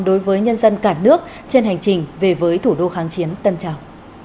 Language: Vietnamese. đối với nhân dân cả nước trên hành trình về với thủ đô kháng chiến tân trào